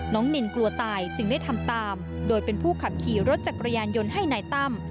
นินกลัวตายจึงได้ทำตามโดยเป็นผู้ขับขี่รถจักรยานยนต์ให้นายตั้ม